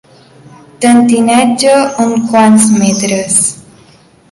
Tentineja uns quants metres.